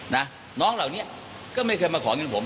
น้องเหล่านี้ก็ไม่เคยมาขอเงินผม